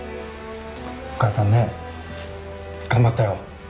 お母さんね頑張ったよ。